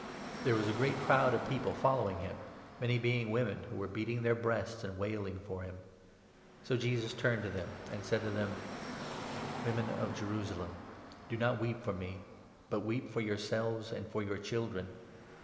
There was a great crowd of people following him, many being women who were beating their breasts and wailing for him. So Jesus turned and said to them : "Women of Jerusalem, do not weep for me, but weep for yourselves and for your children.